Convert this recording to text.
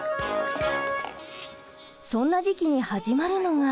そんな時期に始まるのが。